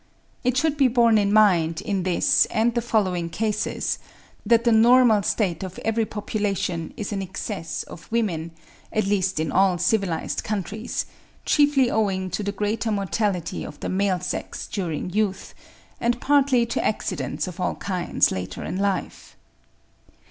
It should be borne in mind in this and the following cases, that the normal state of every population is an excess of women, at least in all civilised countries, chiefly owing to the greater mortality of the male sex during youth, and partly to accidents of all kinds later in life.